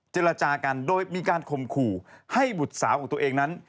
เจรจากันโดยมีการข่มขู่ให้บุตรสาวของตัวเองนั้น